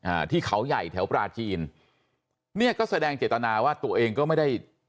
อ่าที่เขาใหญ่แถวปลาจีนเนี่ยก็แสดงเจตนาว่าตัวเองก็ไม่ได้